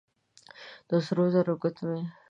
د سرو زرو ګوتمۍ،